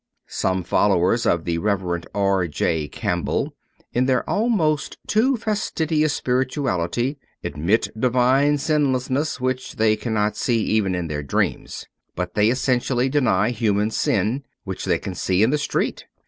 Some followers of the Reverend R. J. Campbell, in their almost too fastidious spirituality, admit divine sinlessness, which they cannot see even in their dreams. But they essentially deny human sin, which they can see in the street.